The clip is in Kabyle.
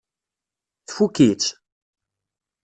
Tfukk-itt?